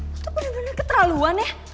lo tuh bener bener ketelaluan ya